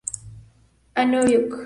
A. Novikov.